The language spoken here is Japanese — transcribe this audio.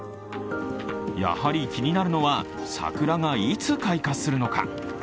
やはり気になるのは桜がいつ開花するのか。